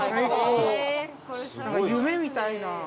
夢みたいな。